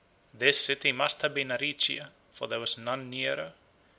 This city must have been Aricia, for there was none nearer.